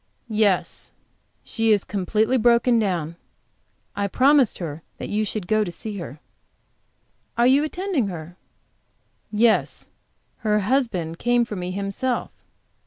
"Yes. She is completely broken down. I promised her that you should go to see her." "Are you attending her?" "Yes; her husband came for me himself."